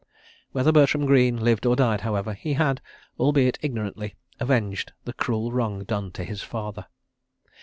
... Whether Bertram Greene lived or died, however, he had, albeit ignorantly, avenged the cruel wrong done to his father.